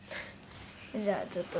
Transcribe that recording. じゃあちょっと。